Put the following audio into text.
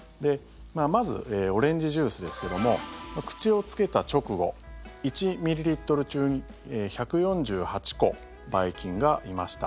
まずオレンジジュースですけども口をつけた直後１ミリリットル中に１４８個ばい菌がいました。